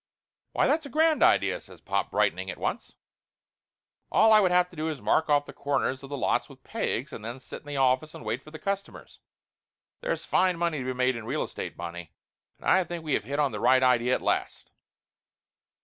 "Why, that's a grand idea!" says pop, brightening at once. "All I would have to do is mark off the cor ners of the lots with pegs and then sit in the office and wait for the customers. There's fine money to be made in real estate, Bonnie, and I think we have hit on the right idea at last!"